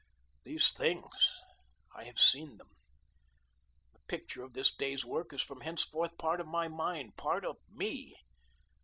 These things, I have seen them. The picture of this day's work is from henceforth part of my mind, part of ME.